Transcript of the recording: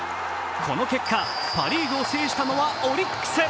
この結果、パ・リーグを制したのはオリックス。